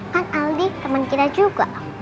kan aldi teman kita juga